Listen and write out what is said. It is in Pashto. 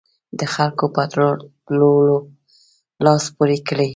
د خلکو په راټولولو لاس پورې کړي.